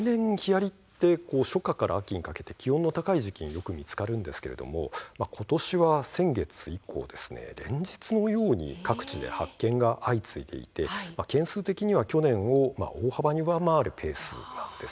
例年ヒアリは初夏から秋にかけて気温の高い時期によく見つかるんですが今年は先月以降、連日のように各地で発見が相次いでいて件数的には去年も大幅に上回るペースなんです。